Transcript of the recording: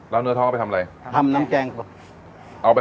แล้วเนื้อท้องเอาไปทำอะไร